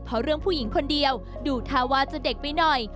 เพราะเรื่องผู้หญิงคนเดียวดูท่าว่าจะเด็กไปหน่อย